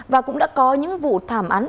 và cũng đã có những vụ thảm án